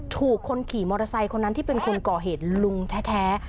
ถูกคนขี่มอเตอร์ไซค์คนนั้นที่เป็นคนก่อเหตุลุงแท้